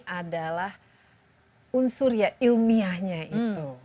adalah unsur ya ilmiahnya itu